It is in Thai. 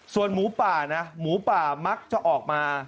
ส่วนหมูป่านะหมูป่ามักจะออกมา